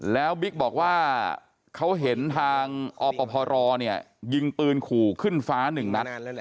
แล้วบิ๊กบอกว่าเขาเห็นทางอพรยิงปืนขู่ขึ้นฟ้าหนึ่งนัด